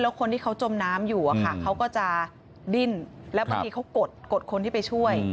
คนที่เขาจมน้ำอยู่เขาก็จะดิ้นแล้วบางทีเขากดคนที่ไปช่วย